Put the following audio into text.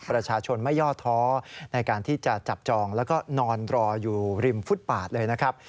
ประชาชนไม่ย่อท้อในการที่จะจับจองแล้วก็นอนรออยู่ริมฟุตปาดเลยนะครับ